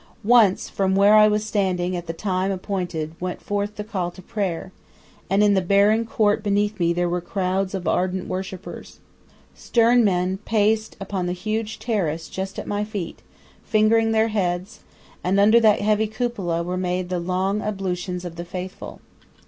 Once from where I was standing at the time appointed went forth the call to prayer, and in the barren court beneath me there were crowds of ardent worshippers. Stern men paced upon the huge terrace just at my feet fingering their heads, and under that heavy cupola were made the long ablutions of the faithful.